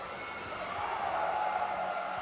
สวัสดีครับทุกคน